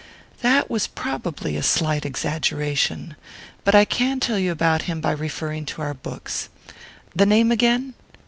"That was probably a slight exaggeration. But I can tell you about him by referring to our books. The name again?"